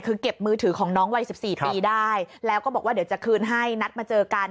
คือเก็บมือถือของน้องวัย๑๔ปีได้แล้วก็บอกว่าเดี๋ยวจะคืนให้นัดมาเจอกัน